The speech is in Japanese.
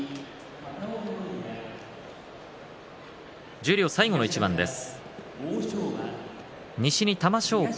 十両、最後の一番です。